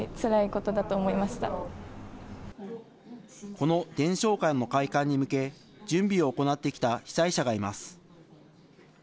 この伝承館の開館に向け、準備を行ってきた被災者がいます。